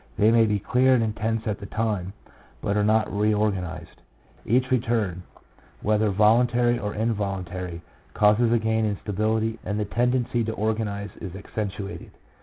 They may be clear and intense at the time, but are not reorganized. Each return, whether voluntary or involuntary, causes a gain in stability, and the tendency to organize is accentuated.